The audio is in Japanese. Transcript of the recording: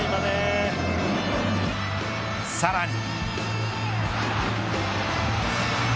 さらに。